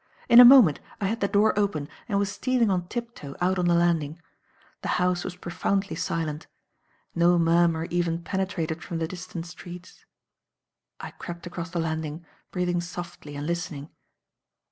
In a moment I had the door open and was stealing on tip toe out on the landing. The house was profoundly silent. No murmur even penetrated from the distant streets. I crept across the landing, breathing softly and listening.